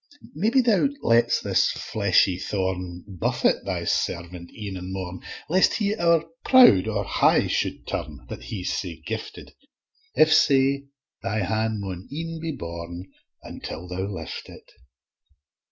Maybe Thou lets this fleshly thorn Buffet Thy servant e'en and morn, Lest he owre proud and high shou'd turn, That he's sae gifted: If sae, Thy han' maun e'en be borne, Until Thou lift it.